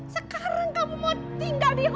sekarang kamu mau tinggal di rumah